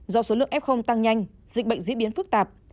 do số lượng f tăng nhanh dịch bệnh diễn biến phức tạp